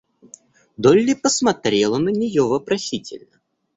Долли посмотрела на нее вопросительно.